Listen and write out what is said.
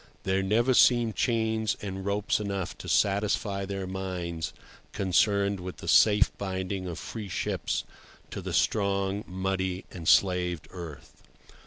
There never seem chains and ropes enough to satisfy their minds concerned with the safe binding of free ships to the strong, muddy, enslaved earth.